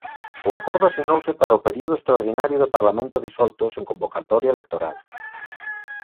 O acordo asinouse para o período extraordinario de Parlamento disolto sen convocatoria electoral.